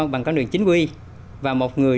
bằng con đường chính quy và một người